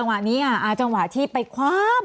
ตั้งแต่เริ่มมีเรื่องแล้ว